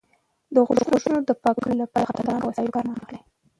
د غوږونو د پاکولو لپاره له خطرناکو وسایلو کار مه اخلئ.